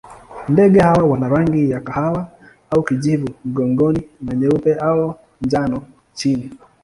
Ndege hawa wana rangi ya kahawa au kijivu mgongoni na nyeupe au njano chini.